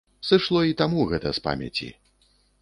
Сышло й таму гэта з памяці.